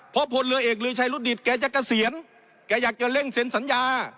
เพราะพลเรือเอกลือชัยรุฑดิตแกจะเกษียณแกอยากจะเร่งเซ็นสัญญา